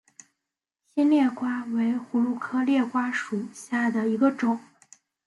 新裂瓜为葫芦科裂瓜属下的一个种。